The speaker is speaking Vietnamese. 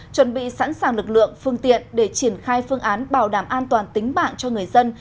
chuẩn bị sẵn sàng lực lượng phương tiện để triển khai phương án bảo đảm an toàn tính mạng cho người dân